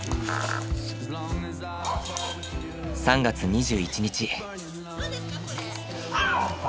３月２１日。